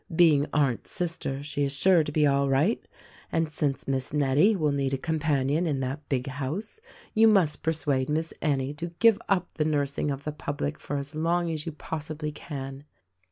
Being Arndt's sister, she is sure to be all right; and since Miss Nettie will need a companion in that big house you must persuade Miss Annie to give up the nursing of the public for as long as you possibly can.